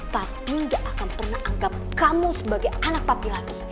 tapi gak akan pernah anggap kamu sebagai anak papi lagi